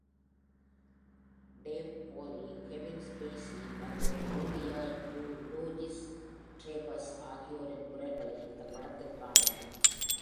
Dave Foley, Kevin Spacey மற்றும் Julia Louis Dreyfus ஆகியோரின் குரல்களை இந்த படத்தில் காணலாம்.